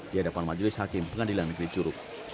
di hadapan majelis hakim pengadilan negeri curug